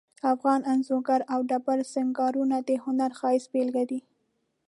افغان انځورګری او ډبرو سنګارونه د هنر ښایسته بیلګې دي